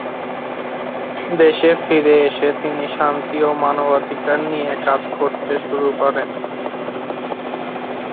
দেশে ফিরে এসে তিনি শান্তি ও মানবাধিকার নিয়ে কাজ করতে শুরু করেন।